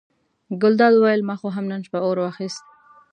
ګلداد وویل ما خو هم نن شپه اور واخیست.